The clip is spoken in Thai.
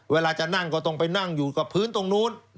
เวลาจะนั่งก็ต้องไปนั่งอยู่กับพื้นตรงนู้น